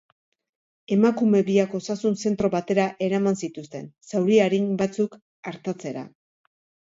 Emakume biak osasun-zentro batera eraman zituzten, zauri arin batzuk artatzera.